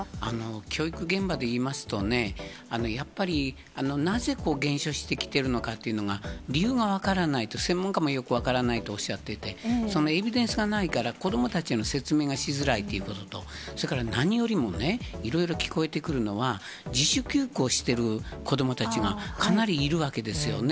教育現場でいいますとね、やっぱり、なぜ減少してきているのかっていうのが、理由が分からないと、専門家もよく分からないとおっしゃってて、エビデンスがないから、子どもたちへの説明がしづらいということと、それから何よりもね、いろいろ聞こえてくるのは、自主休校している子どもたちがかなりいるわけですよね。